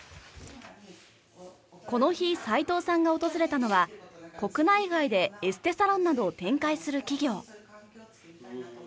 この日齊藤さんが訪れたのは国内外でエステサロンなどを展開する企業。